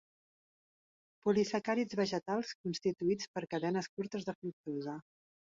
Polisacàrids vegetals constituïts per cadenes curtes de fructosa.